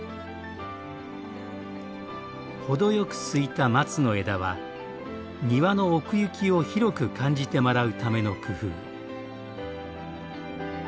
程よくすいた松の枝は庭の奥行きを広く感じてもらうための工夫。